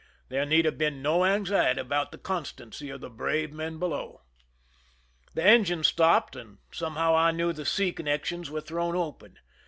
There need have been no anxiety about the constancy of the brave men below. The engine stopped, and somehow I knew the sea connections were thrown open.